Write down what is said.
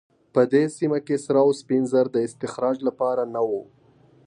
په دې سیمه کې سره او سپین زر د استخراج لپاره نه وو.